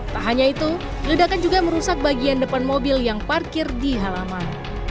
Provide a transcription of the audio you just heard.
tak hanya itu ledakan juga merusak bagian depan mobil yang parkir di halaman